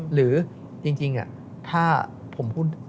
หรือจริงถ้าผมพูด